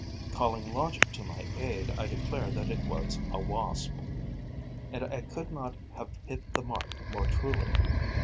Calling logic to my aid, I declared that it was a Wasp; and I could not have hit the mark more truly.